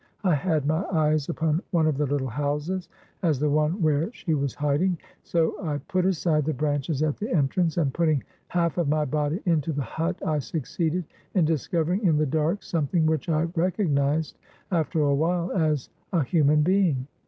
I had my eyes upon one of the little houses as the one where she was hiding; so I put aside the branches at the entrance, and, putting half of my body into the hut, I succeeded in discovering in the dark something which I recognized after a while as a human being.